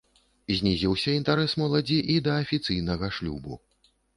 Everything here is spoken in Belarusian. Знізіўся інтарэс моладзі і да афіцыйнага шлюбу.